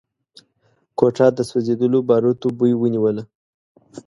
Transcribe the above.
کوټه د سوځېدلو باروتو بوی ونيوله.